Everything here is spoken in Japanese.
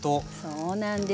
そうなんですよ。